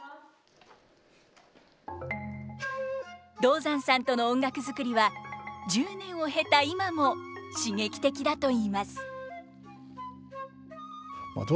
道山さんとの音楽作りは１０年を経た今も刺激的だといいます。